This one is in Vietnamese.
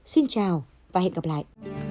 xin chào và hẹn gặp lại